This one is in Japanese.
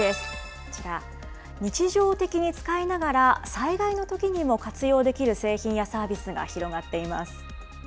こちら、日常的に使いながら、災害のときにも活用できる製品やサービスが広がっています。